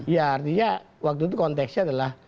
ya artinya waktu itu konteksnya adalah